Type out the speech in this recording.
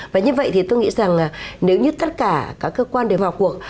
và như vậy thì tôi nghĩ rằng nếu như tất cả các cơ quan đều vào cuộc